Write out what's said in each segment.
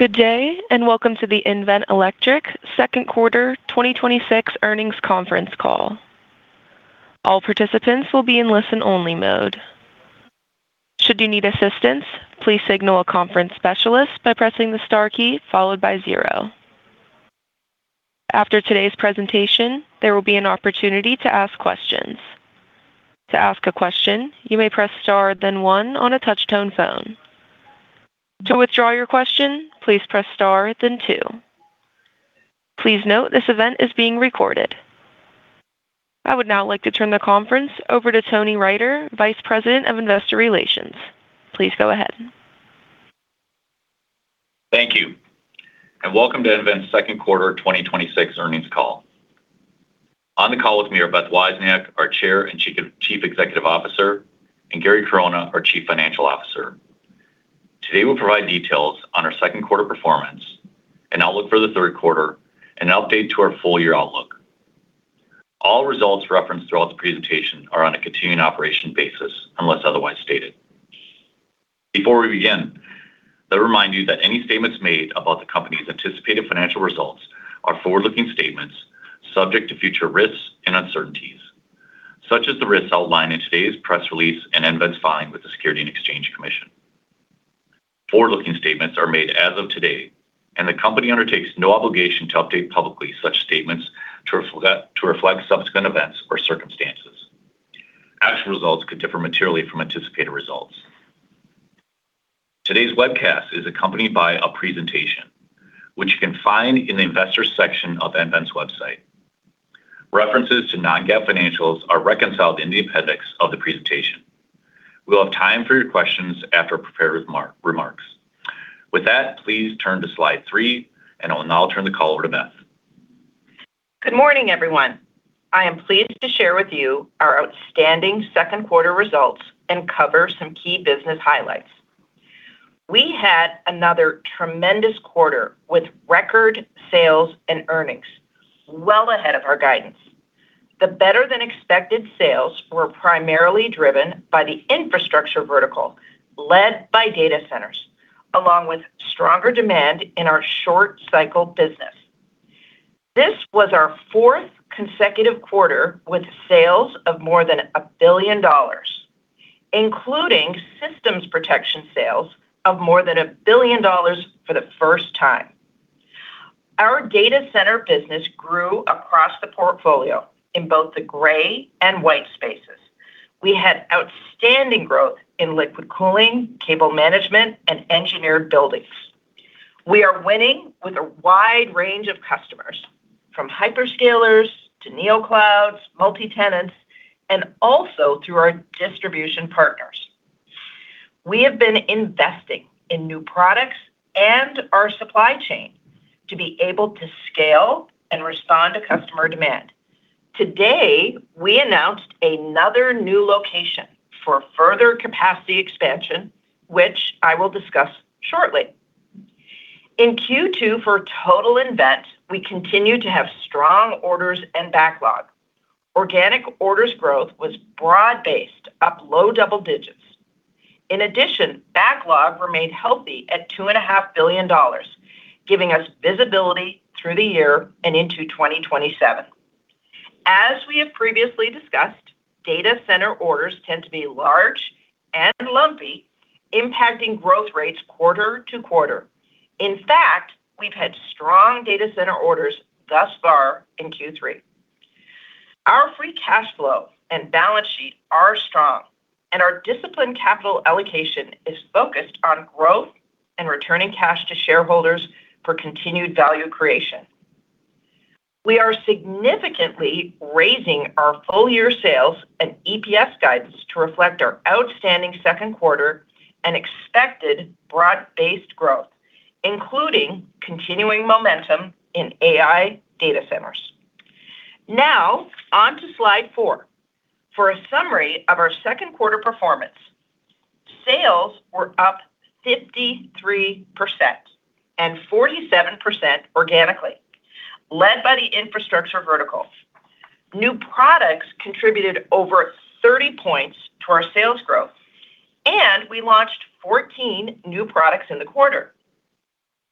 Good day, and welcome to the nVent Electric Second Quarter 2026 Earnings Conference Call. All participants will be in listen-only mode. Should you need assistance, please signal a conference specialist by pressing the star key followed by zero. After today's presentation, there will be an opportunity to ask questions. To ask a question, you may press star then one on a touch-tone phone. To withdraw your question, please press star then two. Please note this event is being recorded. I would now like to turn the conference over to Tony Riter, Vice President of Investor Relations. Please go ahead. Thank you, and welcome to nVent's second quarter 2026 earnings call. On the call with me are Beth Wozniak, our Chair and Chief Executive Officer, and Gary Corona, our Chief Financial Officer. Today, we'll provide details on our second quarter performance, an outlook for the third quarter, and an update to our full-year outlook. All results referenced throughout the presentation are on a continuing operation basis unless otherwise stated. Before we begin, let me remind you that any statements made about the company's anticipated financial results are forward-looking statements subject to future risks and uncertainties, such as the risks outlined in today's press release and nVent's filing with the Securities and Exchange Commission. Forward-looking statements are made as of today, and the company undertakes no obligation to update publicly such statements to reflect subsequent events or circumstances. Actual results could differ materially from anticipated results. Today's webcast is accompanied by a presentation, which you can find in the Investors section of nVent's website. References to non-GAAP financials are reconciled in the appendix of the presentation. We'll have time for your questions after prepared remarks. With that, please turn to slide three, and I will now turn the call over to Beth. Good morning, everyone. I am pleased to share with you our outstanding second quarter results and cover some key business highlights. We had another tremendous quarter with record sales and earnings well ahead of our guidance. The better-than-expected sales were primarily driven by the infrastructure vertical led by data centers, along with stronger demand in our short-cycle business. This was our fourth consecutive quarter with sales of more than $1 billion, including Systems Protection sales of more than $1 billion for the first time. Our data center business grew across the portfolio in both the gray and white spaces. We had outstanding growth in liquid cooling, cable management, and engineered buildings. We are winning with a wide range of customers, from hyperscalers to neoclouds, multi-tenants, and also through our distribution partners. We have been investing in new products and our supply chain to be able to scale and respond to customer demand. Today, we announced another new location for further capacity expansion, which I will discuss shortly. In Q2 for total nVent, we continued to have strong orders and backlog. Organic orders growth was broad-based, up low double digits. In addition, backlog remained healthy at $2.5 billion, giving us visibility through the year and into 2027. As we have previously discussed, data center orders tend to be large and lumpy, impacting growth rates quarter-to-quarter. In fact, we've had strong data center orders thus far in Q3. Our free cash flow and balance sheet are strong, and our disciplined capital allocation is focused on growth and returning cash to shareholders for continued value creation. We are significantly raising our full-year sales and EPS guidance to reflect our outstanding second quarter and expected broad-based growth, including continuing momentum in AI data centers. On to slide four. For a summary of our second quarter performance, sales were up 53% and 47% organically, led by the infrastructure vertical. New products contributed over 30 points to our sales growth, and we launched 14 new products in the quarter.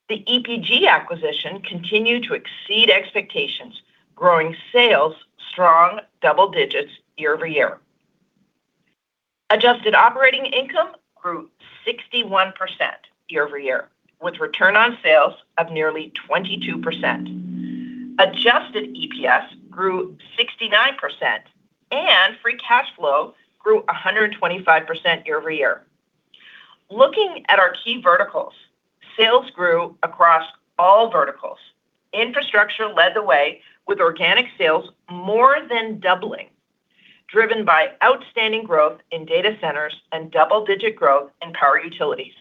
The EPG acquisition continued to exceed expectations, growing sales strong double digits year-over-year. Adjusted operating income grew 61% year-over-year, with return on sales of nearly 22%. Adjusted EPS grew 69%, and free cash flow grew 125% year-over-year. Looking at our key verticals, sales grew across all verticals. Infrastructure led the way with organic sales more than doubling, driven by outstanding growth in data centers and double-digit growth in power utilities.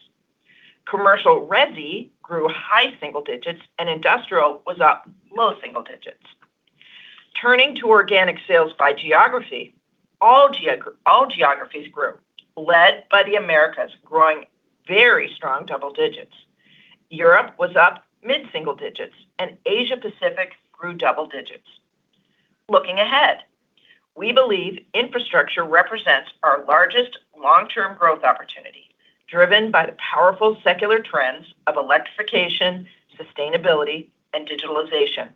Commercial resi grew high single digits, industrial was up low single digits. Turning to organic sales by geography, all geographies grew, led by the Americas growing very strong double digits. Europe was up mid-single digits, and Asia Pacific grew double digits. Looking ahead, we believe infrastructure represents our largest long-term growth opportunity, driven by the powerful secular trends of electrification, sustainability, and digitalization.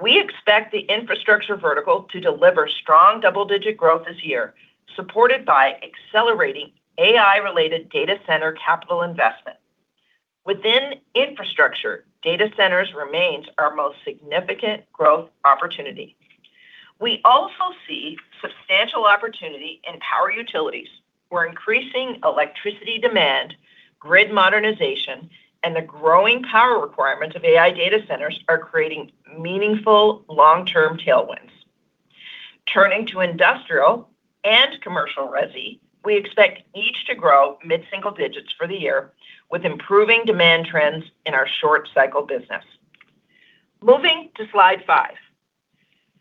We expect the infrastructure vertical to deliver strong double-digit growth this year, supported by accelerating AI-related data center capital investment. Within infrastructure, data centers remains our most significant growth opportunity. We also see substantial opportunity in power utilities, where increasing electricity demand, grid modernization, and the growing power requirements of AI data centers are creating meaningful long-term tailwinds. Turning to industrial and commercial resi, we expect each to grow mid-single digits for the year, with improving demand trends in our short cycle business. Moving to slide five.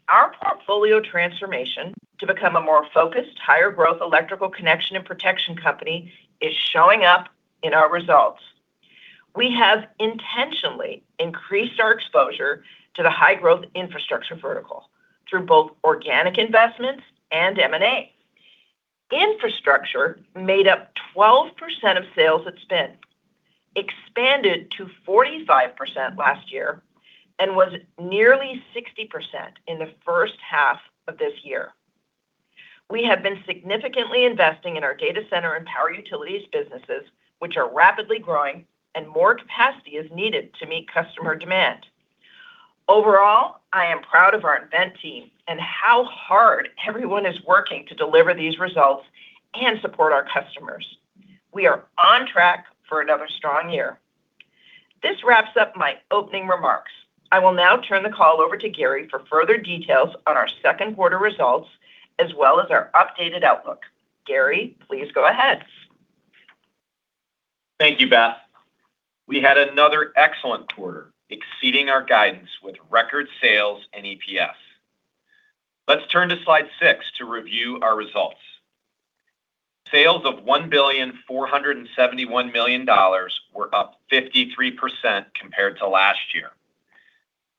Our portfolio transformation to become a more focused, higher growth electrical connection and protection company is showing up in our results. We have intentionally increased our exposure to the high-growth infrastructure vertical through both organic investments and M&A. Infrastructure made up 12% of sales at spin, expanded to 45% last year, and was nearly 60% in the first half of this year. We have been significantly investing in our data center and power utilities businesses, which are rapidly growing, and more capacity is needed to meet customer demand. Overall, I am proud of our nVent team and how hard everyone is working to deliver these results and support our customers. We are on track for another strong year. This wraps up my opening remarks. I will now turn the call over to Gary for further details on our second quarter results, as well as our updated outlook. Gary, please go ahead. Thank you, Beth. We had another excellent quarter, exceeding our guidance with record sales and EPS. Let's turn to slide six to review our results. Sales of $1,471 million were up 53% compared to last year.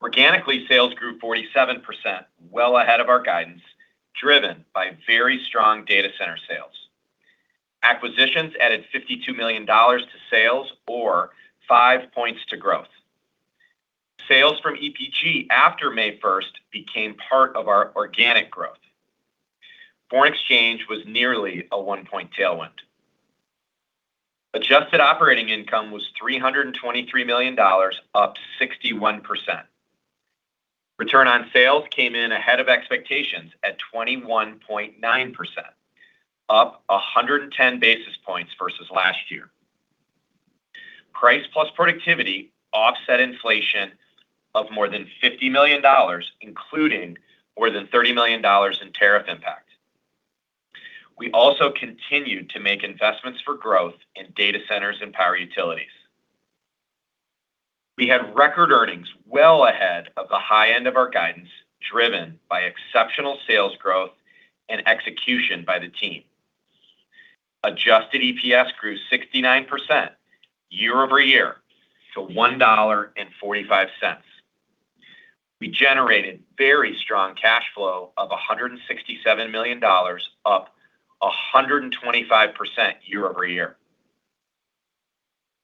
Organically, sales grew 47%, well ahead of our guidance, driven by very strong data center sales. Acquisitions added $52 million to sales or 5 points to growth. Sales from EPG after May 1st became part of our organic growth. Foreign exchange was nearly a one-point tailwind. Adjusted operating income was $323 million, up 61%. Return on sales came in ahead of expectations at 21.9%, up 110 basis points versus last year. Price plus productivity offset inflation of more than $50 million, including more than $30 million in tariff impact. We also continued to make investments for growth in data centers and power utilities. We had record earnings well ahead of the high end of our guidance, driven by exceptional sales growth and execution by the team. Adjusted EPS grew 69% year-over-year to $1.45. We generated very strong cash flow of $167 million, up 125%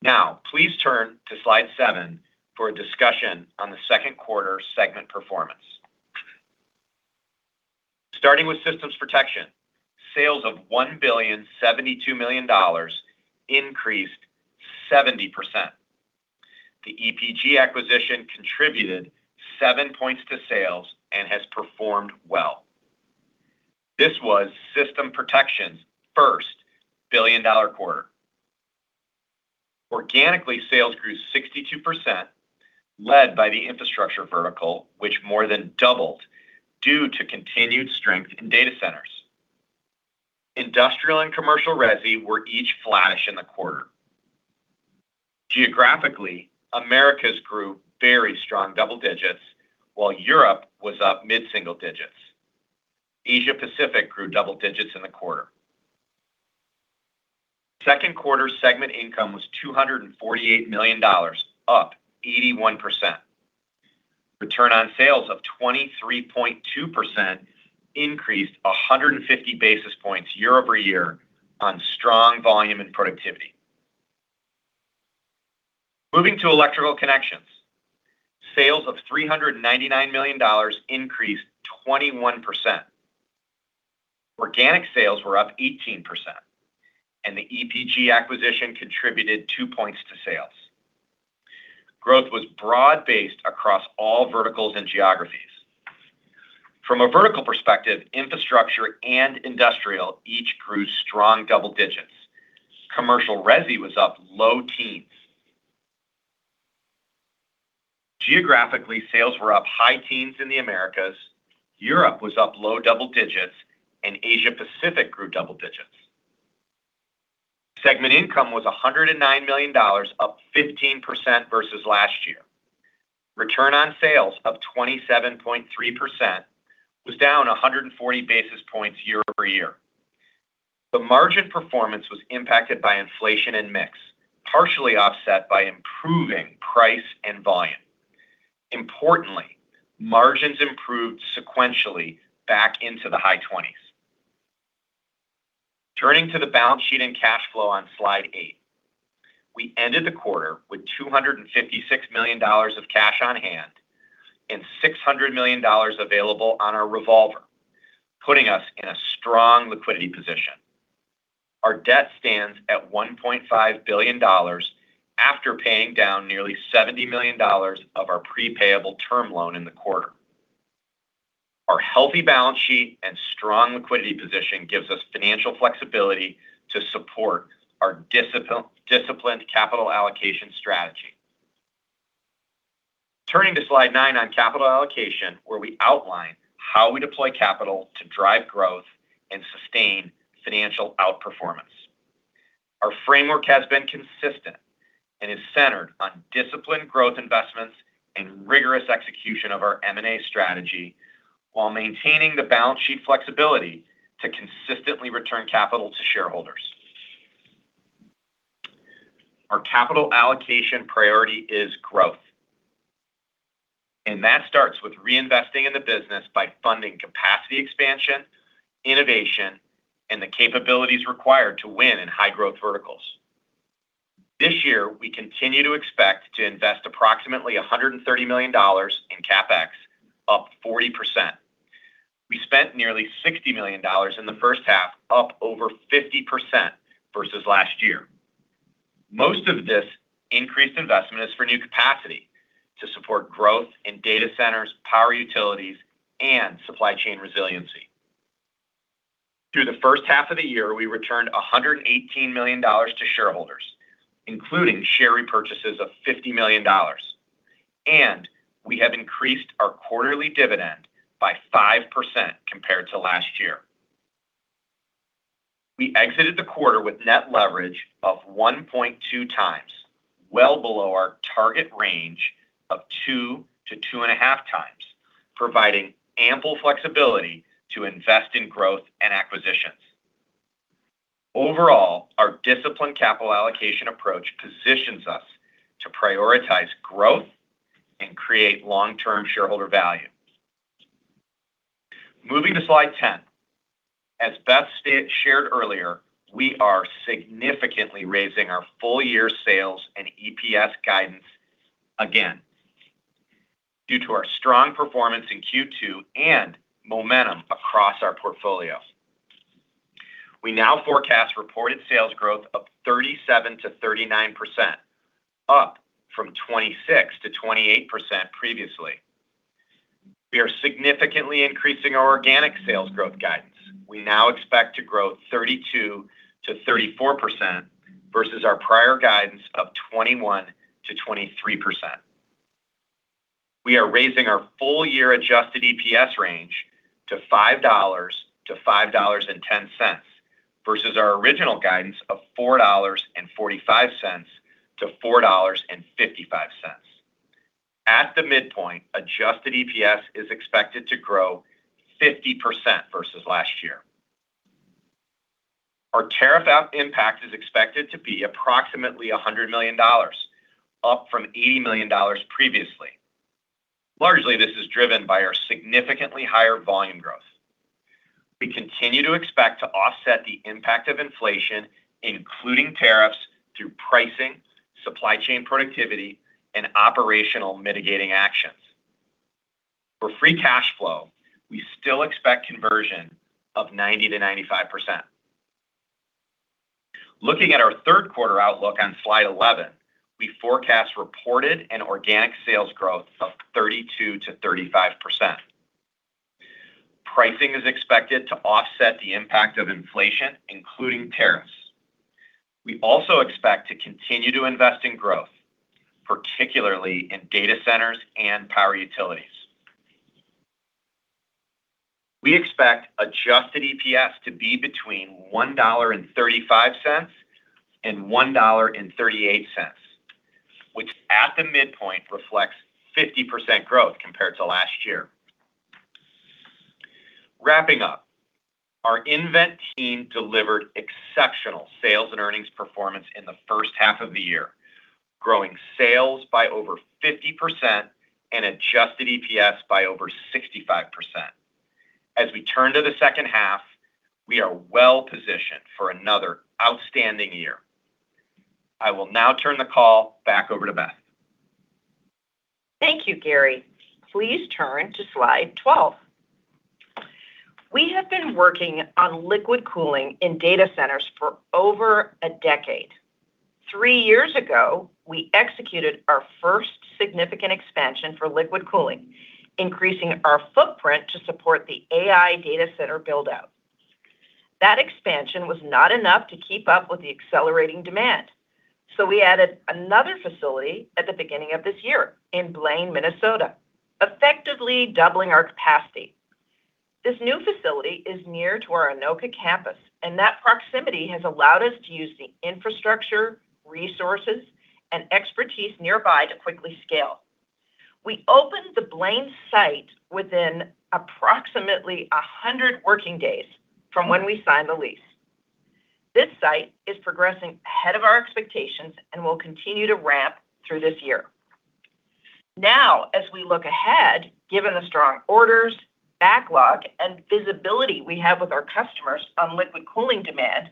year-over-year. Please turn to slide seven for a discussion on the second quarter segment performance. Starting with Systems Protection, sales of $1,072 million increased 70%. The EPG acquisition contributed 7 points to sales and has performed well. This was Systems Protection's first $1billion quarter. Organically, sales grew 62%, led by the infrastructure vertical, which more than doubled due to continued strength in data centers. Industrial and commercial resi were each flat-ish in the quarter. Geographically, Americas grew very strong double digits, while Europe was up mid-single digits. Asia Pacific grew double digits in the quarter. Second quarter segment income was $248 million, up 81%. Return on sales of 23.2% increased 150 basis points year-over-year on strong volume and productivity. Moving to Electrical Connections. Sales of $399 million increased 21%. Organic sales were up 18%, and the EPG acquisition contributed 2 points to sales. Growth was broad-based across all verticals and geographies. From a vertical perspective, infrastructure and industrial each grew strong double digits. Commercial resi was up low teens. Geographically, sales were up high teens in the Americas. Europe was up low double digits, and Asia Pacific grew double digits. Segment income was $109 million, up 15% versus last year. Return on sales of 27.3% was down 140 basis points year-over-year. The margin performance was impacted by inflation and mix, partially offset by improving price and volume. Importantly, margins improved sequentially back into the high 20s. Turning to the balance sheet and cash flow on slide eight. We ended the quarter with $256 million of cash on hand and $600 million available on our revolver, putting us in a strong liquidity position. Our debt stands at $1.5 billion, after paying down nearly $70 million of our pre-payable term loan in the quarter. Our healthy balance sheet and strong liquidity position gives us financial flexibility to support our disciplined capital allocation strategy. Turning to slide nine on capital allocation, where we outline how we deploy capital to drive growth and sustain financial outperformance. Our framework has been consistent and is centered on disciplined growth investments and rigorous execution of our M&A strategy while maintaining the balance sheet flexibility to consistently return capital to shareholders. Our capital allocation priority is growth. That starts with reinvesting in the business by funding capacity expansion, innovation, and the capabilities required to win in high growth verticals. This year, we continue to expect to invest approximately $130 million in CapEx, up 40%. We spent nearly $60 million in the first half, up over 50% versus last year. Most of this increased investment is for new capacity to support growth in data centers, power utilities, and supply chain resiliency. Through the first half of the year, we returned $118 million to shareholders, including share repurchases of $50 million. We have increased our quarterly dividend by 5% compared to last year. We exited the quarter with net leverage of 1.2x, well below our target range of 2x-2.5x, providing ample flexibility to invest in growth and acquisitions. Overall, our disciplined capital allocation approach positions us to prioritize growth and create long-term shareholder value. Moving to slide 10. As Beth shared earlier, we are significantly raising our full year sales and EPS guidance again due to our strong performance in Q2 and momentum across our portfolio. We now forecast reported sales growth of 37%-39%, up from 26%-28% previously. We are significantly increasing our organic sales growth guidance. We now expect to grow 32%-34% versus our prior guidance of 21%-23%. We are raising our full year adjusted EPS range to $5-$5.10 versus our original guidance of $4.45-$4.55. At the midpoint, adjusted EPS is expected to grow 50% versus last year. Our tariff impact is expected to be approximately $100 million, up from $80 million previously. Largely, this is driven by our significantly higher volume growth. We continue to expect to offset the impact of inflation, including tariffs, through pricing, supply chain productivity, and operational mitigating actions. For free cash flow, we still expect conversion of 90%-95%. Looking at our third quarter outlook on slide 11, we forecast reported and organic sales growth of 32%-35%. Pricing is expected to offset the impact of inflation, including tariffs. We also expect to continue to invest in growth, particularly in data centers and power utilities. We expect adjusted EPS to be between $1.35 and $1.38, which at the midpoint reflects 50% growth compared to last year. Wrapping up, our nVent team delivered exceptional sales and earnings performance in the first half of the year, growing sales by over 50% and adjusted EPS by over 65%. As we turn to the second half, we are well positioned for another outstanding year. I will now turn the call back over to Beth. Thank you, Gary. Please turn to slide 12. We have been working on liquid cooling in data centers for over a decade. Three years ago, we executed our first significant expansion for liquid cooling, increasing our footprint to support the AI data center build-out. That expansion was not enough to keep up with the accelerating demand, so we added another facility at the beginning of this year in Blaine, Minnesota, effectively doubling our capacity. This new facility is near to our Anoka campus, and that proximity has allowed us to use the infrastructure, resources, and expertise nearby to quickly scale. We opened the Blaine site within approximately 100 working days from when we signed the lease. This site is progressing ahead of our expectations and will continue to ramp through this year. As we look ahead, given the strong orders, backlog, and visibility we have with our customers on liquid cooling demand,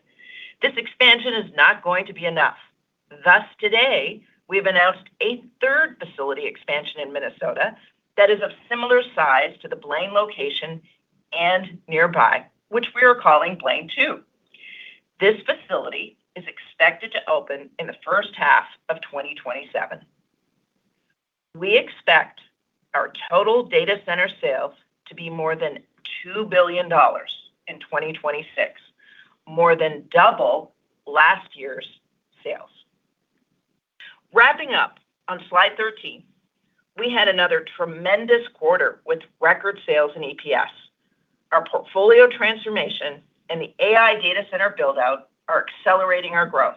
this expansion is not going to be enough. Today, we've announced a third facility expansion in Minnesota that is of similar size to the Blaine location and nearby, which we are calling Blaine 2. This facility is expected to open in the first half of 2027. We expect our total data center sales to be more than $2 billion in 2026, more than double last year's sales. Wrapping up on slide 13, we had another tremendous quarter with record sales in EPS. Our portfolio transformation and the AI data center build-out are accelerating our growth.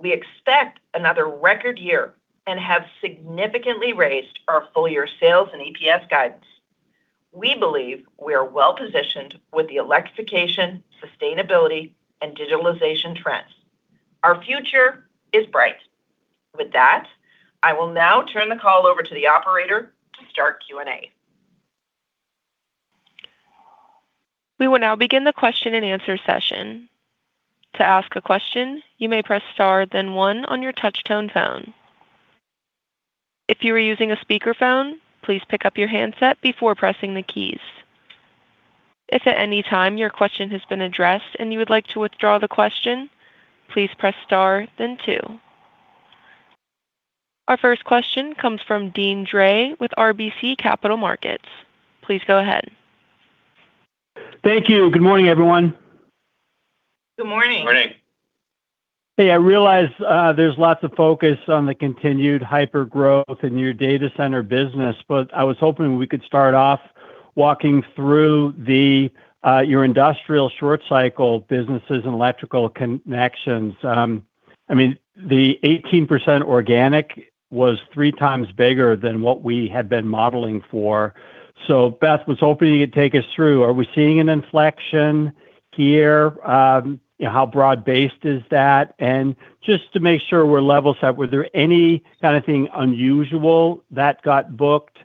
We expect another record year and have significantly raised our full-year sales and EPS guidance. We believe we are well-positioned with the electrification, sustainability, and digitalization trends. Our future is bright. With that, I will now turn the call over to the operator to start Q&A. We will now begin the question-and-answer session. To ask a question, you may press star then one on your touch-tone phone. If you are using a speakerphone, please pick up your handset before pressing the keys. If at any time your question has been addressed and you would like to withdraw the question, please press star then two. Our first question comes from Deane Dray with RBC Capital Markets. Please go ahead. Thank you. Good morning, everyone. Good morning. Good morning. I realize there's lots of focus on the continued hyper-growth in your data center business, I was hoping we could start off walking through your industrial short cycle businesses and Electrical Connections. The 18% organic was 3x bigger than what we had been modeling for. Beth, was hoping you could take us through. Are we seeing an inflection here? How broad-based is that? Just to make sure we're level set, were there any kind of thing unusual that got booked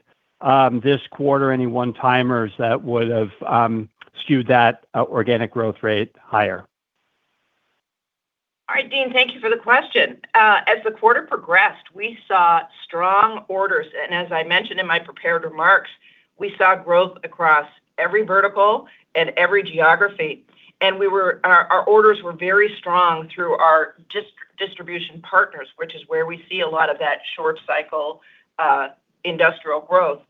this quarter? Any one-timers that would have skewed that organic growth rate higher? All right, Deane, thank you for the question. As the quarter progressed, we saw strong orders. As I mentioned in my prepared remarks, we saw growth across every vertical and every geography. Our orders were very strong through our distribution partners, which is where we see a lot of that short cycle industrial growth.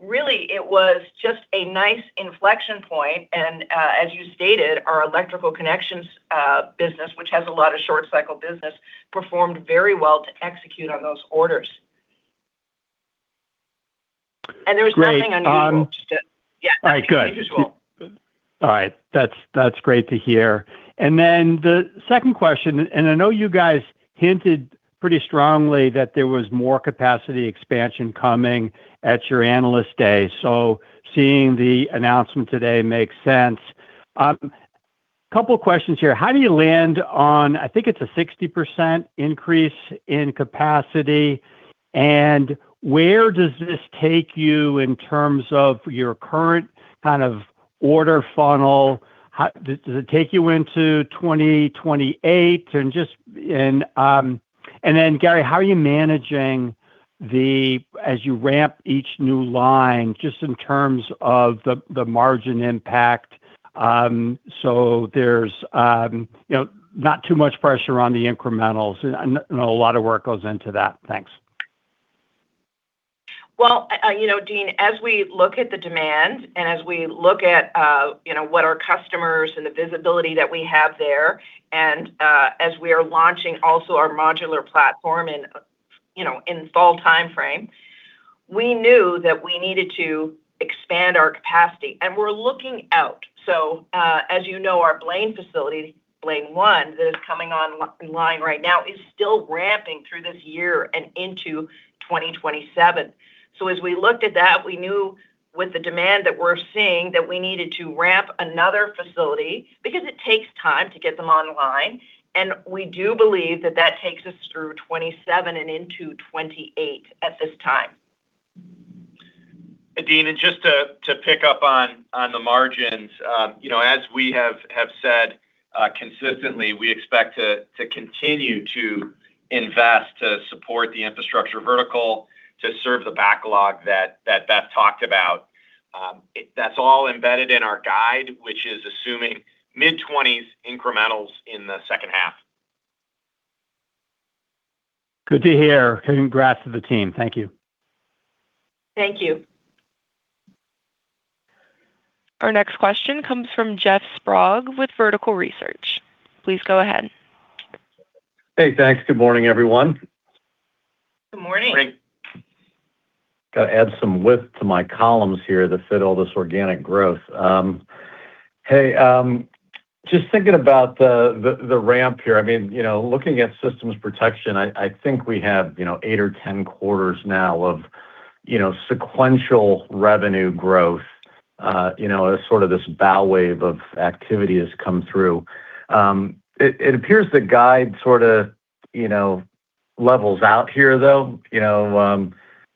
Really, it was just a nice inflection point, and as you stated, our Electrical Connections business, which has a lot of short cycle business, performed very well to execute on those orders. There was nothing unusual. All right. Good. Nothing unusual. All right. That's great to hear. The second question, I know you guys hinted pretty strongly that there was more capacity expansion coming at your Analyst Day, seeing the announcement today makes sense. Couple questions here. How do you land on, I think it's a 60% increase in capacity, and where does this take you in terms of your current order funnel? Does it take you into 2028? Gary, how are you managing as you ramp each new line, just in terms of the margin impact, so there's not too much pressure on the incrementals? I know a lot of work goes into that. Thanks. Deane, as we look at the demand and as we look at what our customers and the visibility that we have there, as we are launching also our modular platform in fall timeframe, we knew that we needed to expand our capacity. We're looking out. As you know, our Blaine facility, Blaine 1, that is coming online right now, is still ramping through this year and into 2027. As we looked at that, we knew with the demand that we're seeing, that we needed to ramp another facility because it takes time to get them online, and we do believe that that takes us through 2027 and into 2028 at this time. Deane, just to pick up on the margins. As we have said consistently, we expect to continue to invest to support the infrastructure vertical to serve the backlog that Beth talked about. That's all embedded in our guide, which is assuming mid-20s incrementals in the second half. Good to hear. Congrats to the team. Thank you. Thank you. Our next question comes from Jeff Sprague with Vertical Research. Please go ahead. Hey, thanks. Good morning, everyone. Good morning. Morning. Got to add some width to my columns here to fit all this organic growth. Hey, just thinking about the ramp here. Looking at Systems Protection, I think we have eight or 10 quarters now of sequential revenue growth. A sort of this bow wave of activity has come through. It appears the guide sort of levels out here, though.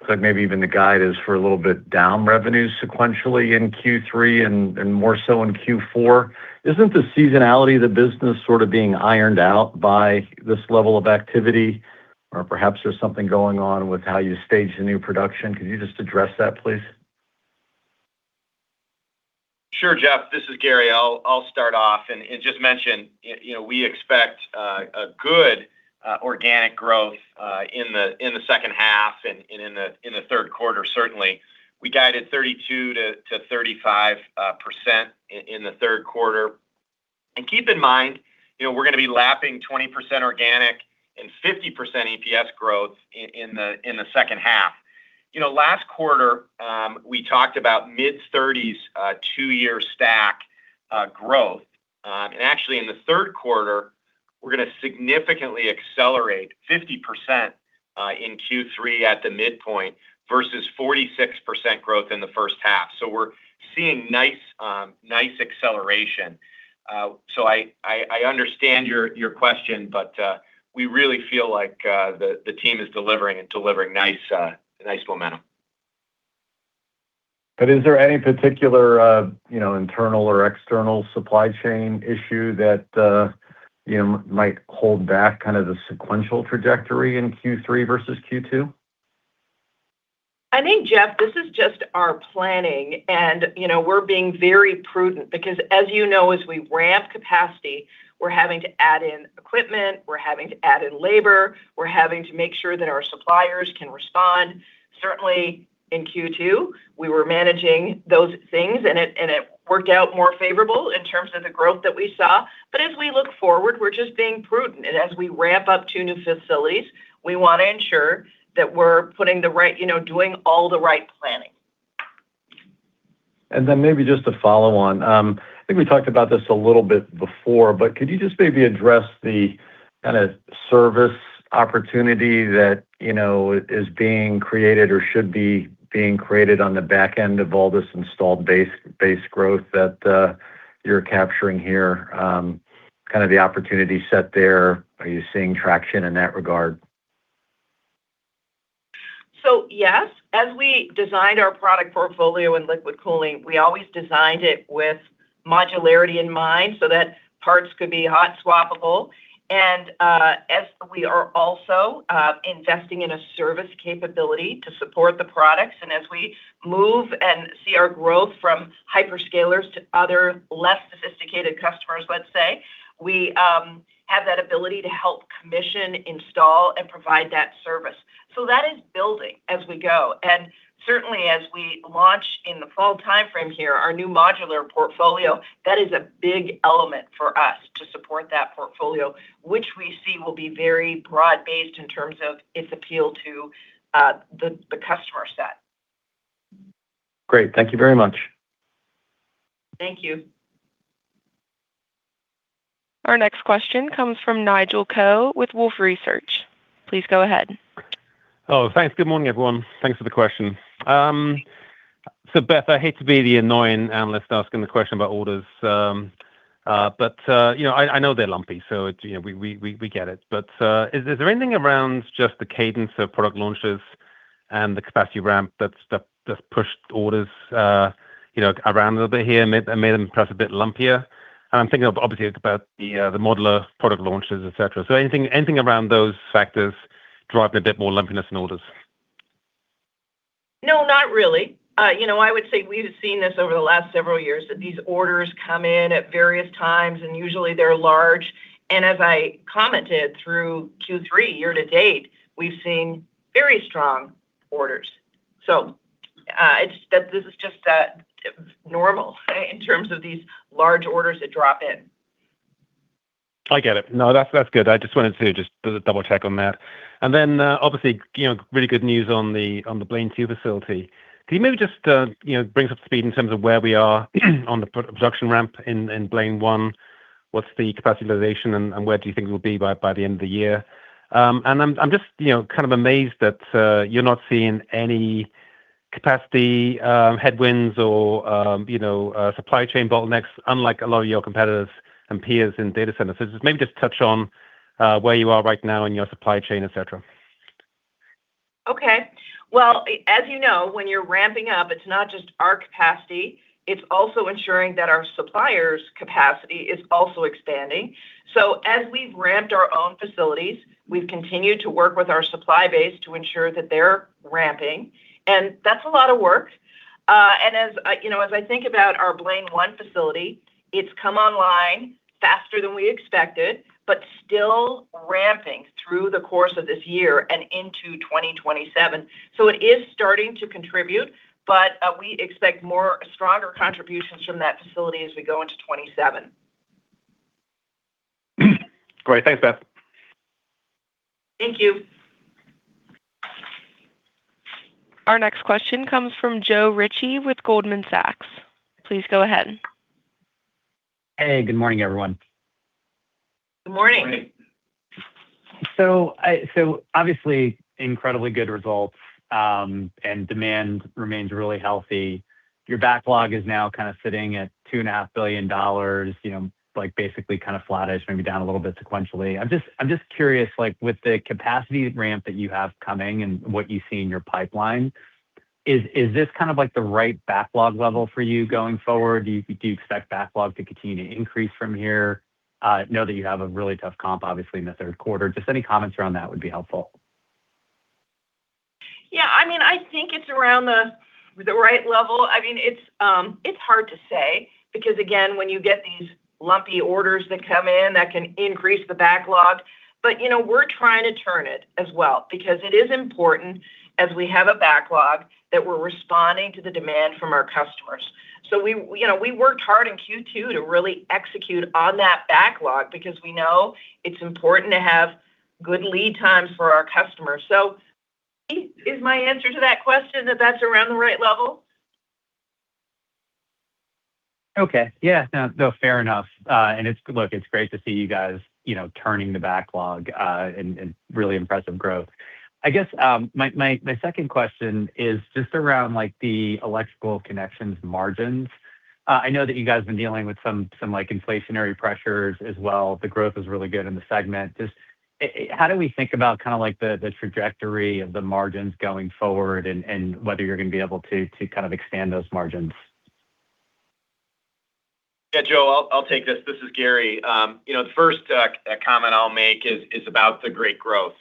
Looks like maybe even the guide is for a little bit down revenues sequentially in Q3 and more so in Q4. Isn't the seasonality of the business sort of being ironed out by this level of activity? Perhaps there's something going on with how you stage the new production. Could you just address that, please? Sure, Jeff, this is Gary. I'll start off and just mention, we expect a good organic growth in the second half and in the third quarter, certainly. We guided 32%-35% in the third quarter. Keep in mind, we're going to be lapping 20% organic and 50% EPS growth in the second half. Last quarter, we talked about mid-30s two-year stack growth. Actually in the third quarter, we're going to significantly accelerate 50% in Q3 at the midpoint versus 46% growth in the first half. We're seeing nice acceleration. I understand your question, we really feel like the team is delivering, and delivering nice momentum. Is there any particular internal or external supply chain issue that might hold back kind of the sequential trajectory in Q3 versus Q2? I think, Jeff, this is just our planning, and we're being very prudent because as you know, as we ramp capacity, we're having to add in equipment, we're having to add in labor, we're having to make sure that our suppliers can respond. Certainly in Q2, we were managing those things, and it worked out more favorable in terms of the growth that we saw. As we look forward, we're just being prudent. As we ramp up two new facilities, we want to ensure that we're doing all the right planning. Maybe just to follow on, I think we talked about this a little bit before, could you just maybe address the kind of service opportunity that is being created or should be being created on the back end of all this installed base growth that you're capturing here? Kind of the opportunity set there, are you seeing traction in that regard? Yes, as we designed our product portfolio in liquid cooling, we always designed it with modularity in mind so that parts could be hot-swappable. As we are also investing in a service capability to support the products, as we move and see our growth from hyperscalers to other less sophisticated customers, let's say, we have that ability to help commission, install, and provide that service. That is building as we go. Certainly as we launch in the fall timeframe here, our new modular portfolio, that is a big element for us to support that portfolio, which we see will be very broad-based in terms of its appeal to the customer set. Great. Thank you very much. Thank you. Our next question comes from Nigel Coe with Wolfe Research. Please go ahead. Thanks. Good morning, everyone. Thanks for the question. Beth, I hate to be the annoying analyst asking the question about orders, but I know they're lumpy, so we get it. Is there anything around just the cadence of product launches and the capacity ramp that's pushed orders around a little bit here and made them perhaps a bit lumpier? I'm thinking of obviously about the modular product launches, et cetera. Anything around those factors driving a bit more lumpiness in orders? No, not really. I would say we've seen this over the last several years, that these orders come in at various times, and usually they're large. As I commented through Q3 year-to-date, we've seen very strong orders. This is just normal in terms of these large orders that drop in. I get it. No, that's good. I just wanted to just double-check on that. Obviously, really good news on the Blaine 2 facility. Can you maybe just bring us up to speed in terms of where we are on the production ramp in Blaine 1? What's the CapEx, and where do you think we'll be by the end of the year? I'm just kind of amazed that you're not seeing any capacity headwinds or supply chain bottlenecks, unlike a lot of your competitors and peers in data center. Maybe just touch on where you are right now in your supply chain, et cetera. Okay. Well, as you know, when you're ramping up, it's not just our capacity, it's also ensuring that our suppliers' capacity is also expanding. As we've ramped our own facilities, we've continued to work with our supply base to ensure that they're ramping. That's a lot of work. As I think about our Blaine 1 facility, it's come online faster than we expected, but still ramping through the course of this year and into 2027. It is starting to contribute, but we expect more stronger contributions from that facility as we go into 2027. Great. Thanks, Beth. Thank you. Our next question comes from Joe Ritchie with Goldman Sachs. Please go ahead. Hey, good morning, everyone. Good morning. Obviously, incredibly good results and demand remains really healthy. Your backlog is now sitting at $2.5 billion, basically flattish, maybe down a little bit sequentially. I am just curious, with the capacity ramp that you have coming and what you see in your pipeline, is this the right backlog level for you going forward? Do you expect backlog to continue to increase from here? I know that you have a really tough comp obviously in the third quarter. Just any comments around that would be helpful. Yeah. I think it's around the right level. It's hard to say because, again, when you get these lumpy orders that come in, that can increase the backlog. We're trying to turn it as well, because it is important, as we have a backlog, that we're responding to the demand from our customers. We worked hard in Q2 to really execute on that backlog because we know it's important to have good lead times for our customers. Is my answer to that question that that's around the right level? Okay. Yeah. No, fair enough. Look, it's great to see you guys turning the backlog, and really impressive growth. I guess my second question is just around the Electrical Connections margins. I know that you guys have been dealing with some inflationary pressures as well. The growth is really good in the segment. Just how do we think about the trajectory of the margins going forward and whether you're going to be able to expand those margins? Joe, I'll take this. This is Gary. The first comment I'll make is about the great growth.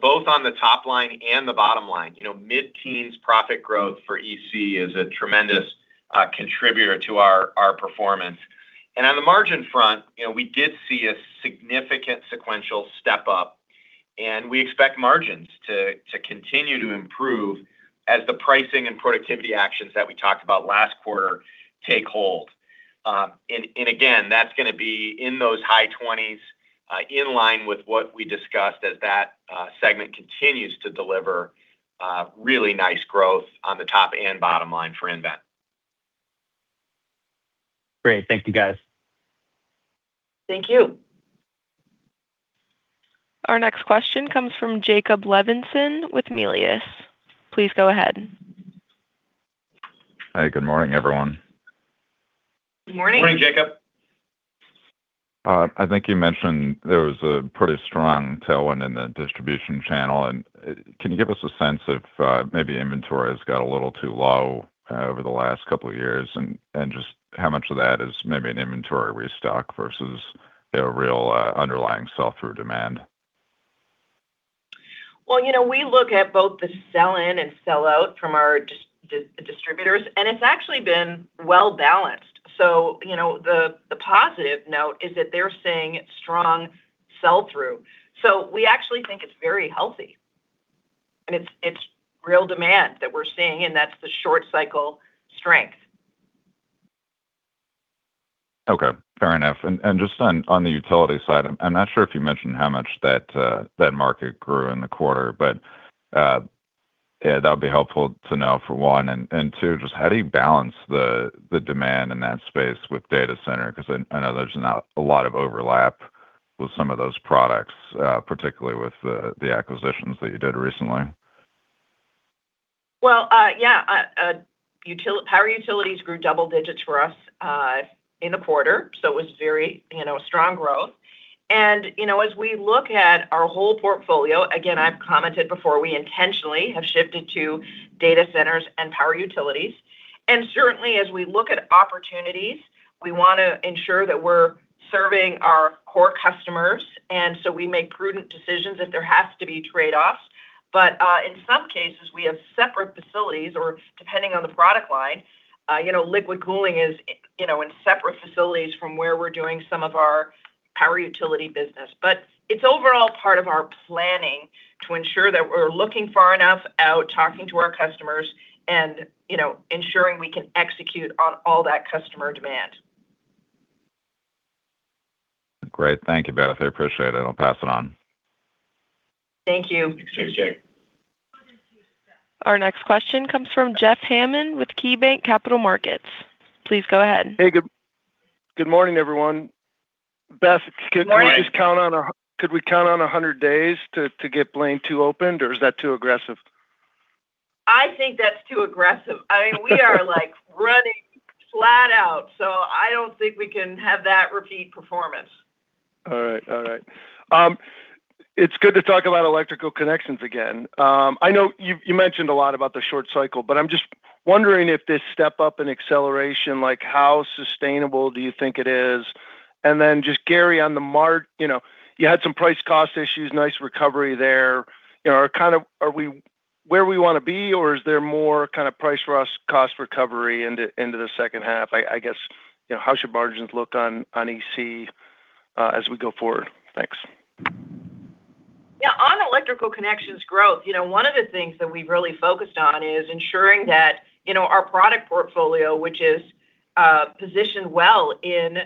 Both on the top line and the bottom line. Mid-teens profit growth for EC is a tremendous contributor to our performance. On the margin front, we did see a significant sequential step up, and we expect margins to continue to improve as the pricing and productivity actions that we talked about last quarter take hold. Again, that's going to be in those high 20s, in line with what we discussed as that segment continues to deliver really nice growth on the top and bottom line for nVent. Great. Thank you, guys. Thank you. Our next question comes from Jacob Levinson with Melius. Please go ahead. Hi. Good morning, everyone. Good morning. Morning, Jacob. I think you mentioned there was a pretty strong tailwind in the distribution channel, and can you give us a sense of maybe inventory has got a little too low over the last couple of years, and just how much of that is maybe an inventory restock versus real underlying sell-through demand? We look at both the sell-in and sell-out from our distributors, it's actually been well-balanced. The positive note is that they're seeing strong sell-through. We actually think it's very healthy. It's real demand that we're seeing, and that's the short cycle strength. Okay, fair enough. Just on the utility side, I'm not sure if you mentioned how much that market grew in the quarter, that would be helpful to know for one. Two, just how do you balance the demand in that space with data center? Because I know there's a lot of overlap with some of those products, particularly with the acquisitions that you did recently. Well, yeah. Power utilities grew double digits for us in the quarter, it was very strong growth. As we look at our whole portfolio, again, I've commented before, we intentionally have shifted to data centers and power utilities. Certainly as we look at opportunities, we want to ensure that we're serving our core customers, we make prudent decisions if there has to be trade-offs. In some cases, we have separate facilities or depending on the product line. Liquid cooling is in separate facilities from where we're doing some of our power utility business. It's overall part of our planning to ensure that we're looking far enough out, talking to our customers, and ensuring we can execute on all that customer demand. Great. Thank you, Beth. I appreciate it. I'll pass it on. Thank you. Thanks, Jake. Our next question comes from Jeff Hammond with KeyBanc Capital Markets. Please go ahead. Hey, good morning, everyone. Good morning. Beth, could we count on 100 days to get Blaine 2 opened, or is that too aggressive? I think that's too aggressive. We are running flat out. I don't think we can have that repeat performance. All right. It's good to talk about Electrical Connections again. I know you've mentioned a lot about the short cycle, I'm just wondering if this step-up in acceleration, how sustainable do you think it is? Just Gary, on the marg, you had some price versus cost issues, nice recovery there. Are we where we want to be or is there more price versus cost recovery into the second half? How should margins look on EC as we go forward? Thanks. Yeah. On Electrical Connections growth, one of the things that we've really focused on is ensuring that our product portfolio, which is positioned well in.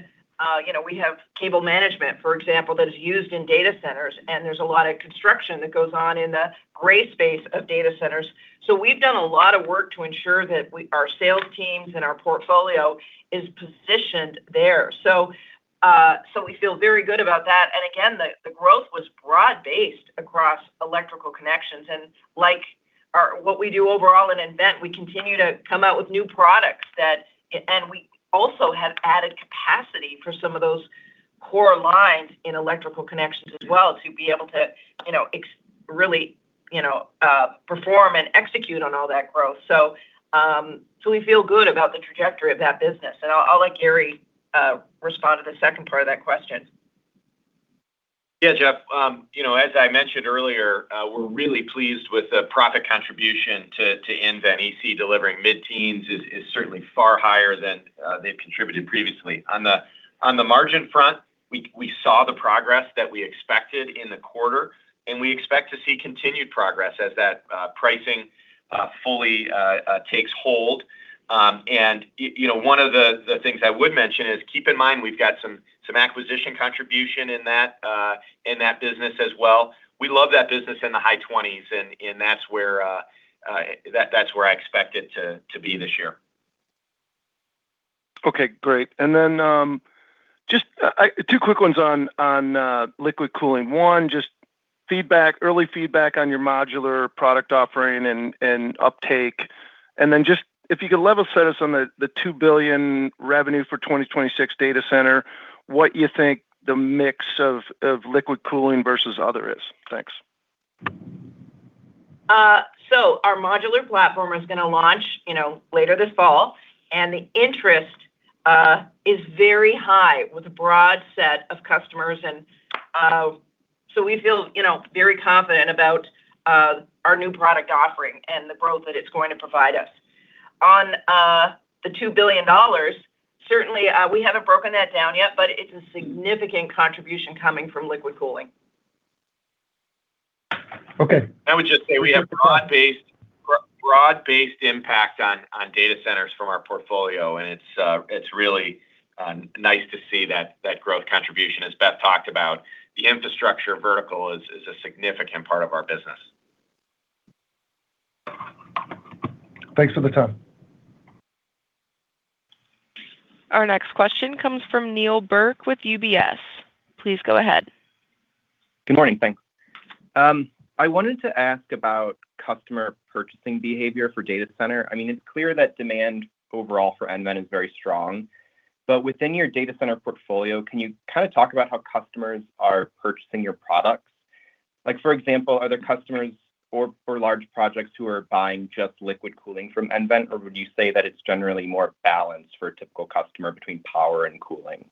We have cable management, for example, that is used in data centers, and there's a lot of construction that goes on in the gray space of data centers. We've done a lot of work to ensure that our sales teams and our portfolio is positioned there. We feel very good about that. Again, the growth was broad-based across Electrical Connections. Like what we do overall in nVent, we continue to come out with new products, and we also have added capacity for some of those core lines in Electrical Connections as well, to be able to really perform and execute on all that growth. We feel good about the trajectory of that business, and I'll let Gary respond to the second part of that question. Yeah, Jeff. As I mentioned earlier, we're really pleased with the profit contribution to nVent EC. Delivering mid-teens is certainly far higher than they've contributed previously. On the margin front, we saw the progress that we expected in the quarter, and we expect to see continued progress as that pricing fully takes hold. One of the things I would mention is, keep in mind we've got some acquisition contribution in that business as well. We'd love that business in the high 20s, and that's where I expect it to be this year. Okay, great. Then just two quick ones on liquid cooling. One, just early feedback on your modular product offering and uptake. Then just if you could level set us on the $2 billion revenue for 2026 data center, what you think the mix of liquid cooling versus other is? Thanks. Our modular platform is going to launch later this fall, the interest is very high with a broad set of customers. We feel very confident about our new product offering and the growth that it's going to provide us. On the $2 billion, certainly we haven't broken that down yet, but it's a significant contribution coming from liquid cooling. Okay. I would just say we have broad-based impact on data centers from our portfolio, and it's really nice to see that growth contribution as Beth talked about. The infrastructure vertical is a significant part of our business. Thanks for the time. Our next question comes from Neal Burk with UBS. Please go ahead. Good morning. Thanks. I wanted to ask about customer purchasing behavior for data center. It's clear that demand overall for nVent is very strong, but within your data center portfolio, can you kind of talk about how customers are purchasing your products? For example, are there customers for large projects who are buying just liquid cooling from nVent, or would you say that it's generally more balanced for a typical customer between power and cooling?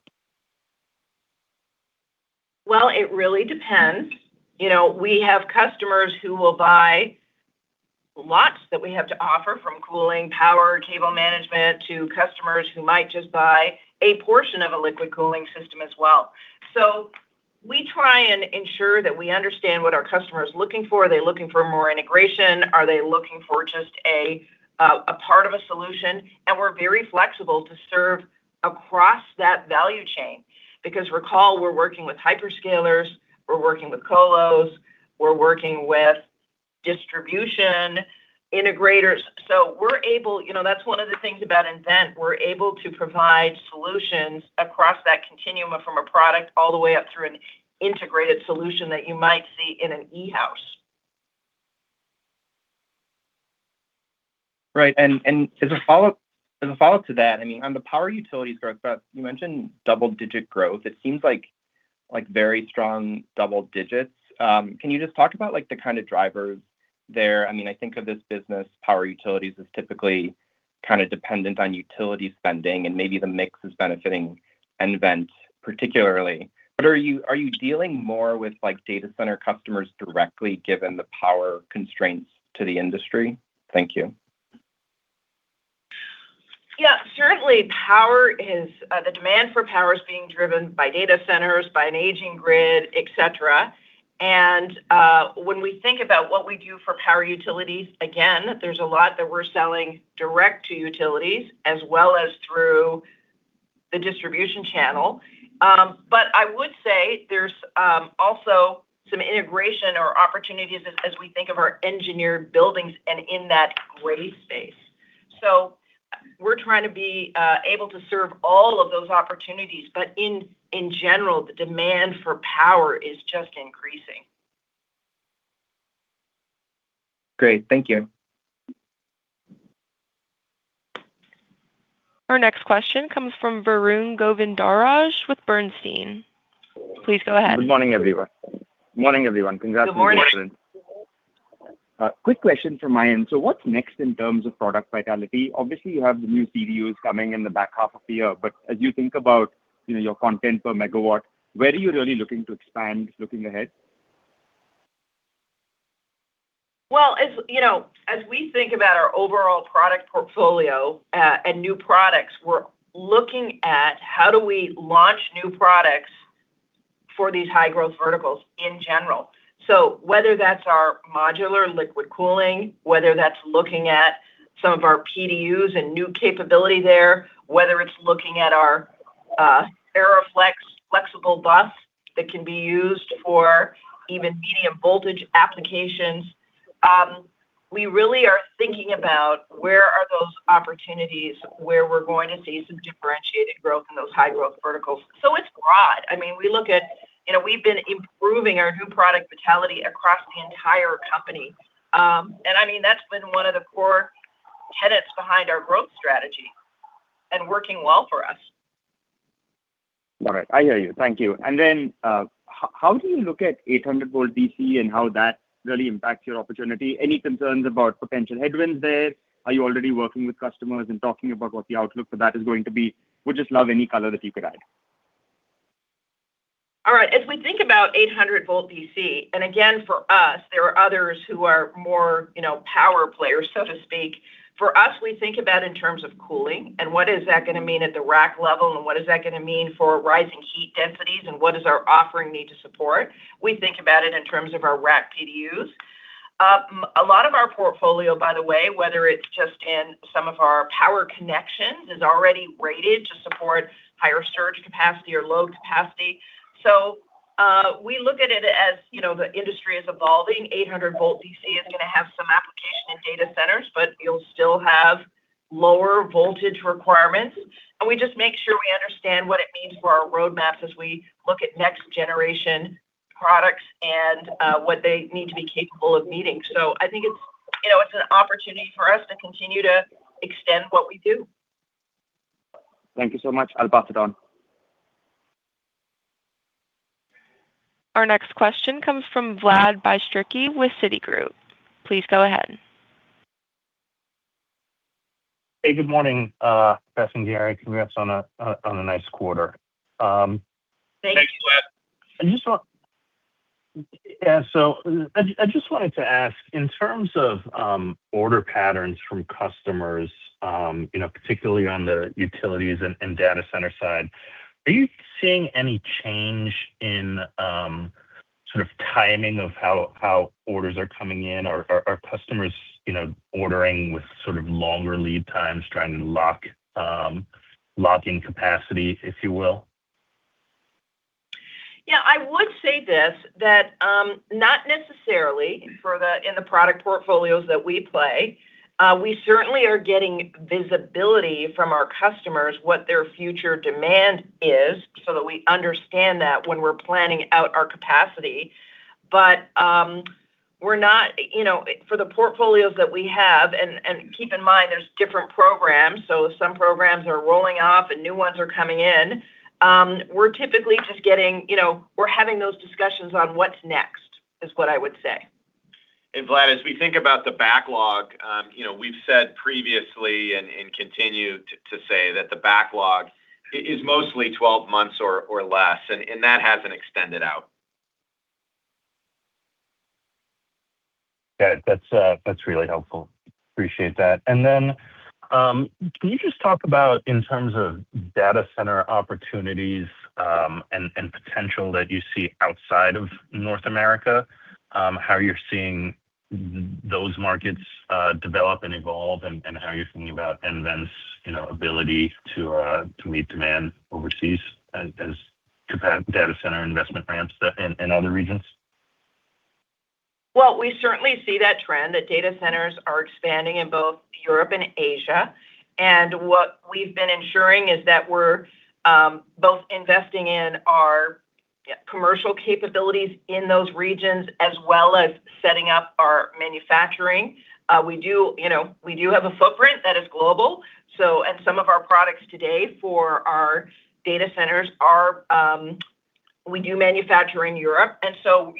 Well, it really depends. We have customers who will buy lots that we have to offer from cooling power cable management to customers who might just buy a portion of a liquid cooling system as well. We try and ensure that we understand what our customer is looking for. Are they looking for more integration? Are they looking for just a part of a solution? We're very flexible to serve across that value chain, because recall, we're working with hyperscalers, we're working with [colos], we're working with distribution integrators. That's one of the things about nVent. We're able to provide solutions across that continuum from a product all the way up through an integrated solution that you might see in an E-House. Right. As a follow-up to that, on the power utilities growth, Beth, you mentioned double-digit growth. It seems like very strong double digits. Can you just talk about the kind of drivers there? I think of this business, power utilities, as typically kind of dependent on utility spending, and maybe the mix is benefiting nVent particularly. Are you dealing more with data center customers directly, given the power constraints to the industry? Thank you. Yeah. Certainly, the demand for power is being driven by data centers, by an aging grid, et cetera. When we think about what we do for power utilities, again, there's a lot that we're selling direct to utilities as well as through the distribution channel. I would say there's also some integration or opportunities as we think of our engineered buildings and in that gray space. We're trying to be able to serve all of those opportunities. In general, the demand for power is just increasing. Great. Thank you. Our next question comes from Varun Govindaraj with Bernstein. Please go ahead. Good morning, everyone. Good morning. Congratulations. A quick question from my end. What's next in terms of product vitality? Obviously, you have the new CDUs coming in the back half of the year. As you think about your content per megawatt, where are you really looking to expand looking ahead? Well, as we think about our overall product portfolio and new products, we're looking at how do we launch new products for these high-growth verticals in general. Whether that's our modular liquid cooling, whether that's looking at some of our PDUs and new capability there, whether it's looking at our nVent ERIFLEX FleXbus that can be used for even medium voltage applications, we really are thinking about where are those opportunities where we're going to see some differentiated growth in those high-growth verticals. It's broad. We've been improving our new product vitality across the entire company. That's been one of the core tenets behind our growth strategy, and working well for us. All right. I hear you. Thank you. How do you look at 800 V DC and how that really impacts your opportunity? Any concerns about potential headwinds there? Are you already working with customers and talking about what the outlook for that is going to be? Would just love any color that you could add. All right. As we think about 800 V DC, again, for us, there are others who are more power players, so to speak. For us, we think about in terms of cooling and what is that going to mean at the rack level, and what is that going to mean for rising heat densities, and what does our offering need to support? We think about it in terms of our rack PDUs. A lot of our portfolio, by the way, whether it's just in some of our power connections, is already rated to support higher surge capacity or load capacity. We look at it as the industry is evolving. 800 V DC is going to have some application in data centers, but you'll still have lower voltage requirements. We just make sure we understand what it means for our roadmaps as we look at next generation products and what they need to be capable of meeting. I think it's an opportunity for us to continue to extend what we do. Thank you so much. I'll pass it on. Our next question comes from Vlad Bystricky with Citigroup. Please go ahead. Hey, good morning, Beth and Gary. Congrats on a nice quarter. Thanks. Thanks, Vlad. I just wanted to ask, in terms of order patterns from customers, particularly on the utilities and data center side, are you seeing any change in sort of timing of how orders are coming in? Or are customers ordering with sort of longer lead times trying to lock in capacity, if you will? Yeah, I would say this, that not necessarily in the product portfolios that we play. We certainly are getting visibility from our customers what their future demand is so that we understand that when we're planning out our capacity. For the portfolios that we have, and keep in mind, there's different programs, so some programs are rolling off, and new ones are coming in. We're having those discussions on what's next, is what I would say. Vlad, as we think about the backlog, we've said previously and continue to say that the backlog is mostly 12 months or less, and that hasn't extended out. Got it. That's really helpful. Appreciate that. Can you just talk about in terms of data center opportunities, and potential that you see outside of North America, how you're seeing those markets develop and evolve and how you're thinking about nVent's ability to meet demand overseas as data center investment ramps up in other regions? Well, we certainly see that trend, that data centers are expanding in both Europe and Asia. What we've been ensuring is that we're both investing in our commercial capabilities in those regions, as well as setting up our manufacturing. We do have a footprint that is global. Some of our products today for our data centers are, we do manufacture in Europe. So,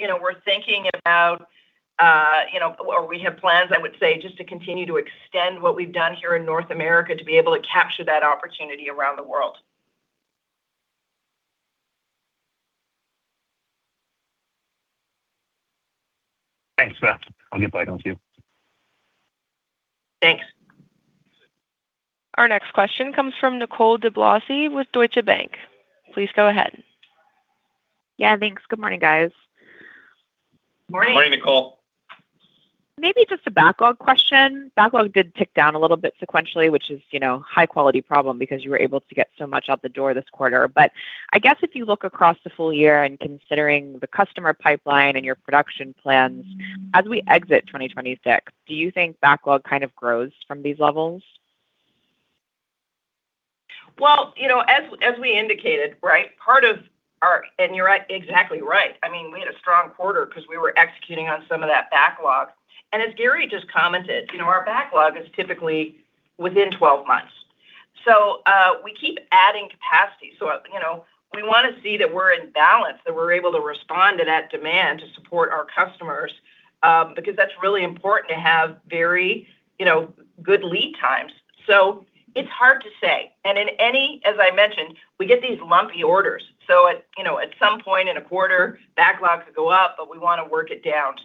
we have plans, I would say, just to continue to extend what we've done here in North America to be able to capture that opportunity around the world. Thanks, Beth. I'll get back onto you. Thanks. Our next question comes from Nicole DeBlase with Deutsche Bank. Please go ahead. Yeah, thanks. Good morning, guys. Morning. Morning, Nicole. Maybe just a backlog question. Backlog did tick down a little bit sequentially, which is high quality problem because you were able to get so much out the door this quarter. I guess if you look across the full year and considering the customer pipeline and your production plans, as we exit 2026, do you think backlog kind of grows from these levels? Well, as we indicated. You're exactly right. We had a strong quarter because we were executing on some of that backlog. As Gary just commented, our backlog is typically within 12 months. We keep adding capacity. We want to see that we're in balance, that we're able to respond to that demand to support our customers, because that's really important to have very good lead times. It's hard to say. As I mentioned, we get these lumpy orders. At some point in a quarter, backlogs go up, but we want to work it down.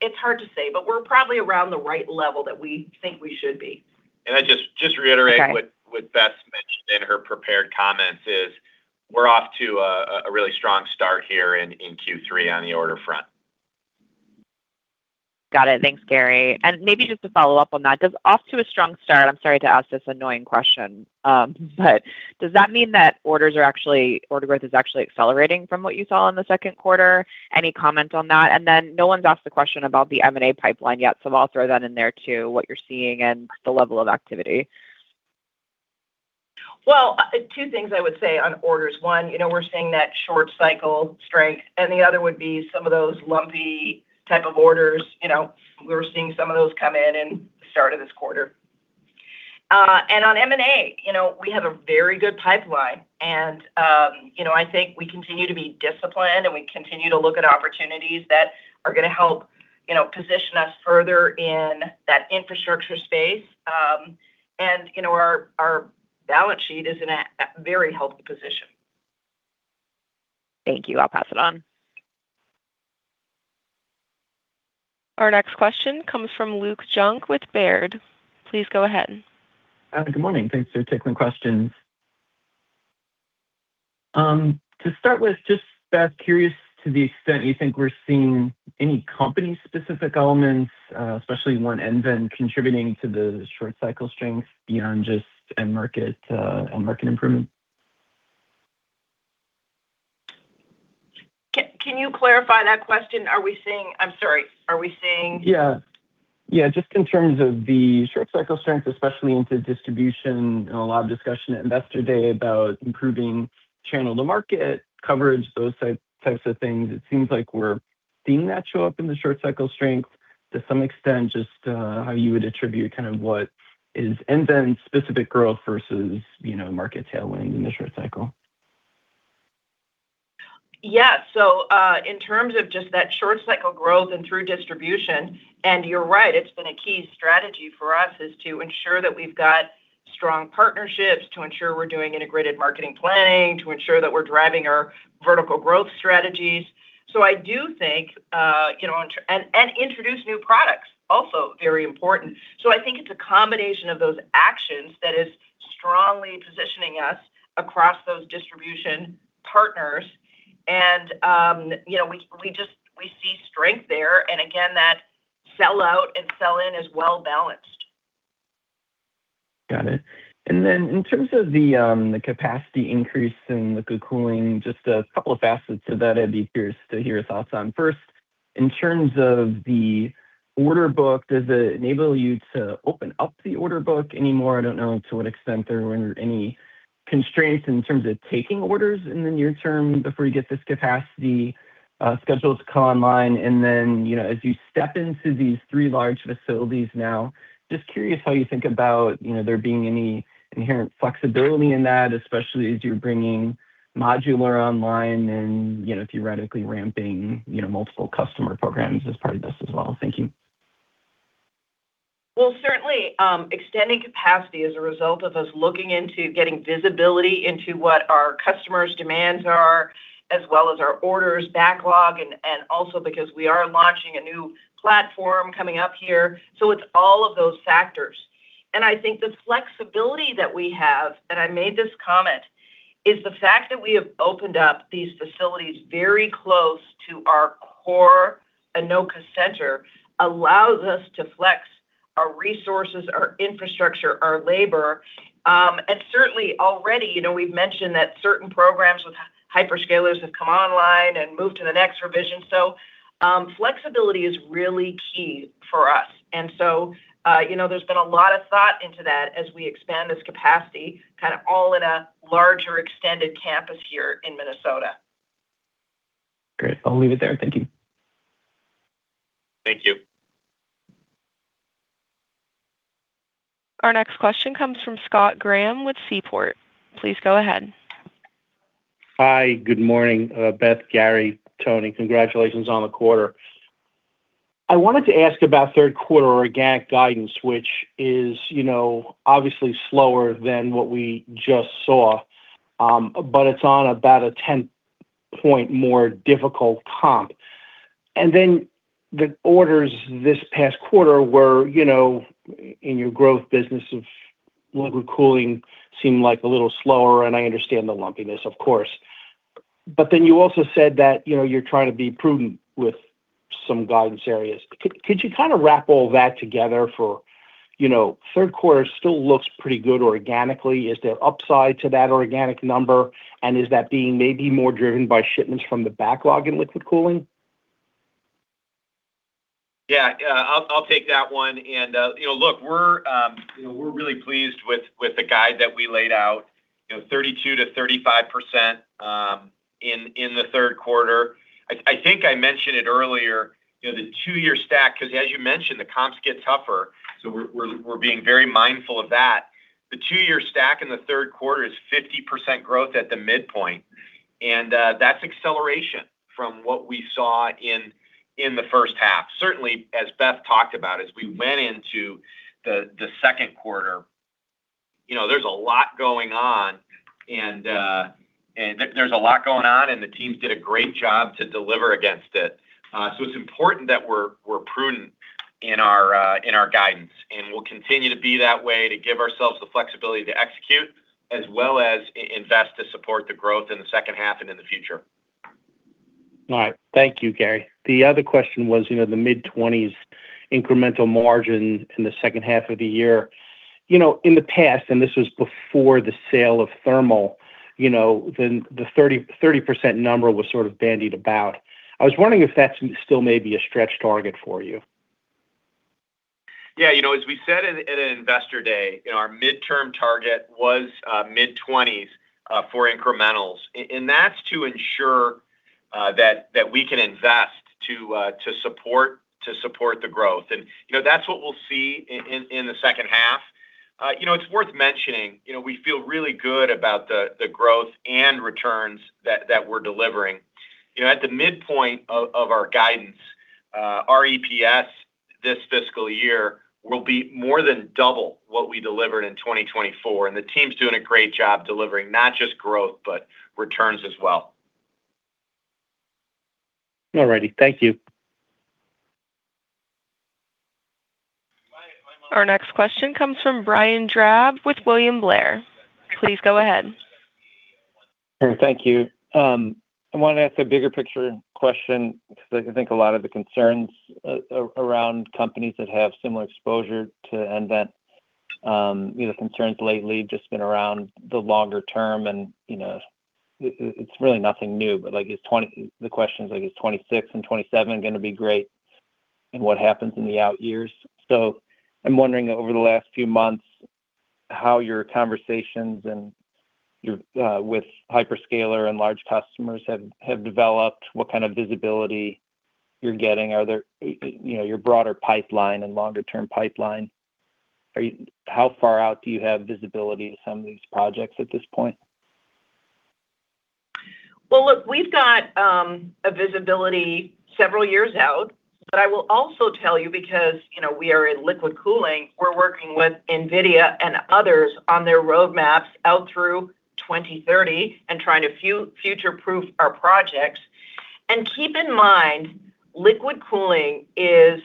It's hard to say, but we're probably around the right level that we think we should be. I just. Okay What Beth mentioned in her prepared comments is we're off to a really strong start here in Q3 on the order front. Got it. Thanks, Gary. Maybe just to follow up on that, does off to a strong start, I'm sorry to ask this annoying question, but does that mean that order growth is actually accelerating from what you saw in the second quarter? Any comment on that? Then no one's asked a question about the M&A pipeline yet, so I'll throw that in there too, what you're seeing and the level of activity. Well, two things I would say on orders. One, we're seeing that short cycle strength, and the other would be some of those lumpy type of orders. We were seeing some of those come in in the start of this quarter. On M&A, we have a very good pipeline, and I think we continue to be disciplined, and we continue to look at opportunities that are going to help position us further in that infrastructure space. Our balance sheet is in a very healthy position. Thank you. I'll pass it on. Our next question comes from Luke Junk with Baird. Please go ahead. Good morning. Thanks for taking the questions. To start with, just, Beth, curious to the extent you think we're seeing any company-specific elements, especially One nVent contributing to the short cycle strength beyond just end market improvement. Can you clarify that question? I'm sorry. Are we seeing- Yeah. Just in terms of the short cycle strength, especially into distribution, and a lot of discussion at Investor Day about improving channel to market coverage, those types of things. It seems like we're seeing that show up in the short cycle strength to some extent, just how you would attribute what is nVent specific growth versus market tailwinds in the short cycle. Yeah. In terms of just that short cycle growth and through distribution, you're right, it's been a key strategy for us, is to ensure that we've got strong partnerships, to ensure we're doing integrated marketing planning, to ensure that we're driving our vertical growth strategies. Introduce new products, also very important. I think it's a combination of those actions that is strongly positioning us across those distribution partners. We see strength there. Again, that sell-out and sell-in is well balanced. Got it. In terms of the capacity increase in liquid cooling, just a couple of facets to that I'd be curious to hear your thoughts on. First, in terms of the order book, does it enable you to open up the order book any more? I don't know to what extent there were any constraints in terms of taking orders in the near term before you get this capacity schedules to come online. As you step into these three large facilities now, just curious how you think about there being any inherent flexibility in that, especially as you're bringing modular online and theoretically ramping multiple customer programs as part of this as well. Thank you. Certainly, extending capacity is a result of us looking into getting visibility into what our customers' demands are, as well as our orders backlog, and also because we are launching a new platform coming up here. I think the flexibility that we have, and I made this comment, is the fact that we have opened up these facilities very close to our core Anoka center allows us to flex our resources, our infrastructure, our labor. Certainly already, we've mentioned that certain programs with hyperscalers have come online and moved to the next revision. Flexibility is really key for us. There's been a lot of thought into that as we expand this capacity, kind of all in a larger extended campus here in Minnesota. Great. I'll leave it there. Thank you. Thank you. Our next question comes from Scott Graham with Seaport. Please go ahead. Hi, good morning, Beth, Gary, Tony. Congratulations on the quarter. I wanted to ask about third quarter organic guidance, which is obviously slower than what we just saw, but it's on about a 10-points more difficult comp. The orders this past quarter were in your growth business of liquid cooling, seemed a little slower, and I understand the lumpiness, of course. You also said that you're trying to be prudent with some guidance areas. Could you kind of wrap all that together for third quarter still looks pretty good organically. Is there upside to that organic number, and is that being maybe more driven by shipments from the backlog in liquid cooling? Yeah. I'll take that one. Look, we're really pleased with the guide that we laid out, 32%-35% in the third quarter. I think I mentioned it earlier, the two-year stack, because as you mentioned, the comps get tougher, so we're being very mindful of that. The two-year stack in the third quarter is 50% growth at the midpoint, and that's acceleration from what we saw in the first half. Certainly, as Beth talked about, as we went into the second quarter, there's a lot going on, and the teams did a great job to deliver against it. It's important that we're prudent in our guidance, and we'll continue to be that way to give ourselves the flexibility to execute, as well as invest to support the growth in the second half and in the future. All right. Thank you, Gary. The other question was the mid-20s incremental margin in the second half of the year. In the past, and this was before the sale of Thermal Management, the 30% number was sort of bandied about. I was wondering if that still may be a stretch target for you. Yeah. As we said at Investor Day, our midterm target was mid-20s for incrementals. That's to ensure that we can invest to support the growth. That's what we'll see in the second half. It's worth mentioning, we feel really good about the growth and returns that we're delivering. At the midpoint of our guidance, our EPS this fiscal year will be more than double what we delivered in 2024, the team's doing a great job delivering not just growth, but returns as well. All righty. Thank you. Our next question comes from Brian Drab with William Blair. Please go ahead. Thank you. I want to ask a bigger picture question, because I think a lot of the concerns around companies that have similar exposure to nVent, the concerns lately have just been around the longer term, and it's really nothing new, but the question is 2026 and 2027 going to be great, and what happens in the out years? I'm wondering over the last few months, how your conversations with hyperscaler and large customers have developed, what kind of visibility you're getting. Your broader pipeline and longer-term pipeline, how far out do you have visibility to some of these projects at this point? Well, look, we've got a visibility several years out. I will also tell you because we are in liquid cooling, we're working with NVIDIA and others on their roadmaps out through 2030 and trying to future-proof our projects. Keep in mind, liquid cooling is,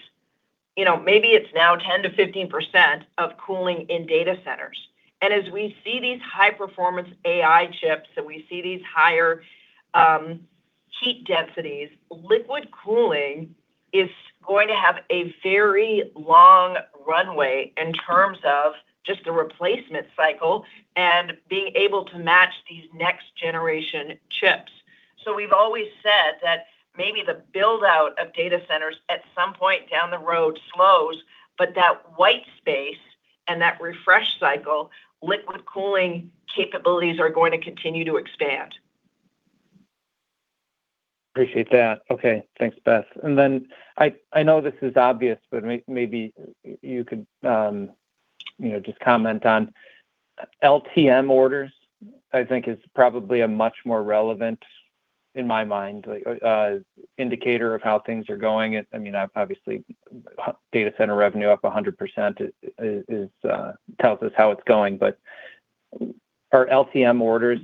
maybe it's now 10%-15% of cooling in data centers. As we see these high-performance AI chips, and we see these higher heat densities, liquid cooling is going to have a very long runway in terms of just the replacement cycle and being able to match these next generation chips. We've always said that maybe the build-out of data centers at some point down the road slows, but that white space and that refresh cycle, liquid cooling capabilities are going to continue to expand. Appreciate that. Okay, thanks, Beth. I know this is obvious, but maybe you could just comment on LTM orders. I think is probably a much more relevant, in my mind, indicator of how things are going. Obviously, data center revenue up 100% tells us how it's going. Are LTM orders,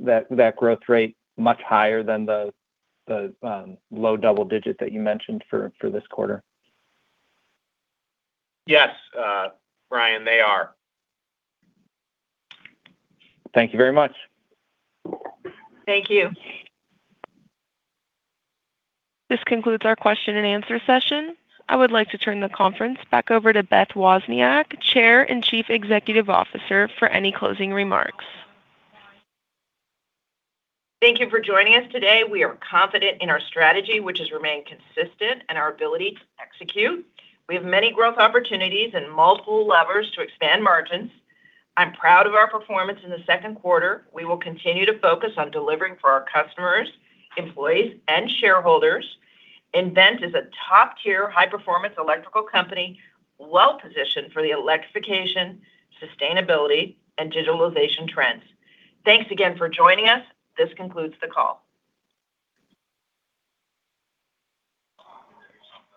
that growth rate, much higher than the low double-digit that you mentioned for this quarter? Yes, Brian, they are. Thank you very much. Thank you. This concludes our question-and-answer session. I would like to turn the conference back over to Beth Wozniak, Chair and Chief Executive Officer, for any closing remarks. Thank you for joining us today. We are confident in our strategy, which has remained consistent, and our ability to execute. We have many growth opportunities and multiple levers to expand margins. I'm proud of our performance in the second quarter. We will continue to focus on delivering for our customers, employees and shareholders. nVent is a top-tier high performance electrical company, well-positioned for the electrification, sustainability, and digitalization trends. Thanks again for joining us. This concludes the call.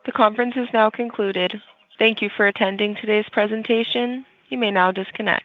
The conference is now concluded. Thank you for attending today's presentation. You may now disconnect.